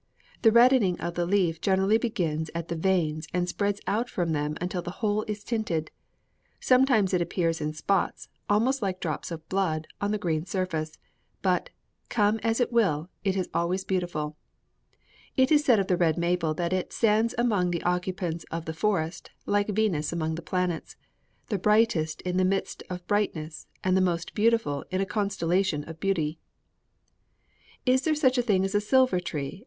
The reddening of the leaf generally begins at the veins and spreads out from them until the whole is tinted. Sometimes it appears in spots, almost like drops of blood, on the green surface; but, come as it will, it is always beautiful. It is said of the red maple that 'it stands among the occupants of the forest like Venus among the planets the brightest in the midst of brightness and the most beautiful in a constellation of beauty,'" "Is there such a thing as a silver tree?"